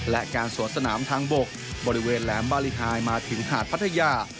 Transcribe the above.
และการสวนสนามทางบกบริเวณแหลมบารีไฮมาถึงหาดพัทยา